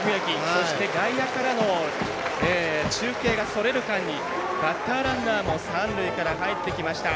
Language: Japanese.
そして、外野からの中継がそれる間にバッターランナーも三塁からかえってきました。